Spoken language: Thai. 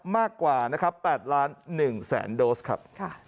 มากกว่า๘ล้าน๑แสนโดสครับ